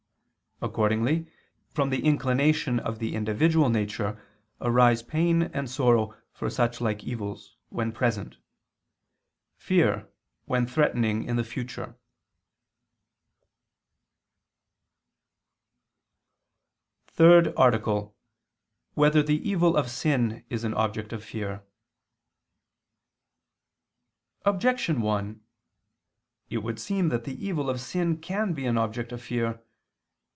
Accordingly, from the inclination of the individual nature arise pain and sorrow for such like evils, when present; fear when threatening in the future. ________________________ THIRD ARTICLE [I II, Q. 42, Art. 3] Whether the Evil of Sin Is an Object of Fear? Objection 1: It would seem that the evil of sin can be an object of fear.